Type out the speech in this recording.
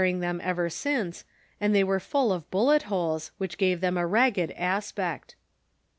371 ing them ever since, and they were full of bullet holes, which gave them a ragged aspect.